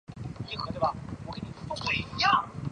裂瓣翠雀为毛茛科翠雀属下的一个变种。